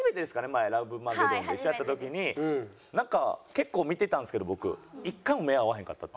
前ラブマゲドンで一緒やった時になんか結構見てたんですけど僕１回も目合わへんかった。